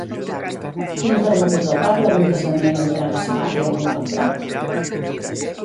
L'interlocutor parla d'un casament entre en Gaspar i algú altre?